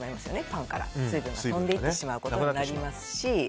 パンから水分が飛んでいってしまうことになりますし。